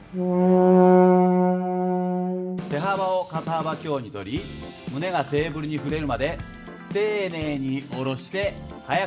手幅を肩幅強にとり胸がテーブルに触れるまで丁寧に下ろして速く上げます。